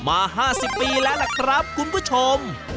มา๕๐ปีแล้วล่ะครับคุณผู้ชม